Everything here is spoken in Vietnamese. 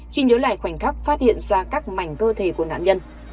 khi nhớ lại khoảnh khắc phát hiện ra các mảnh cơ thể của nạn nhân